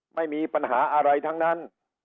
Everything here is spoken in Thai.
ไม่มีปัญหาอะไรทั้งนั้น